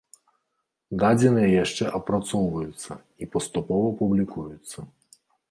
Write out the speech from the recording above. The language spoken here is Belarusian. Дадзеныя яшчэ апрацоўваюцца і паступова публікуюцца.